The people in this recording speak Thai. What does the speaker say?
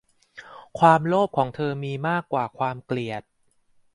ความโลภของเธอมีมากกว่าความเกลียด